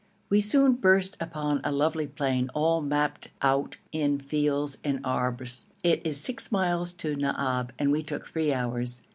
We soon burst upon a lovely plain all mapped out in fields and abrs. It is six miles to Naab, and we took three hours.